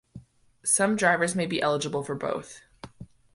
Some drivers may be eligible for both.